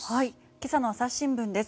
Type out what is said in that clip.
今朝の朝日新聞です。